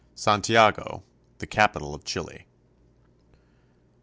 SANTIAGO, THE CAPITAL OF CHILE.